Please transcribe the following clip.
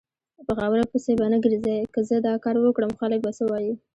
په خبرو پسې به نه ګرځی که زه داکاروکړم خلک به څه وایي؟